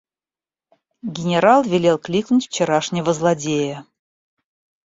Генерал велел кликнуть вчерашнего злодея.